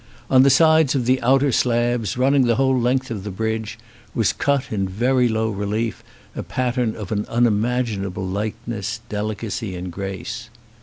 On the sides of the outer slabs, running the whole length of the bridge, was cut in very low relief a pattern of an unimagin able lightness, delicacy and grace.